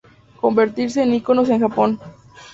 Convertirse en iconos en Japón.